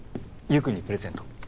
君にプレゼント